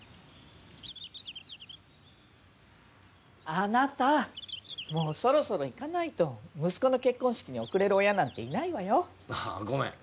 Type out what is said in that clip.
あなたもうそろそろ行かないと息子の結婚式に遅れる親なんていないわよああごめん